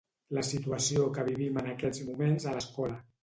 La situació que vivim en aquests moments a l'escola